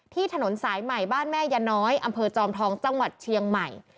ถนนสายใหม่บ้านแม่ยาน้อยอำเภอจอมทองจังหวัดเชียงใหม่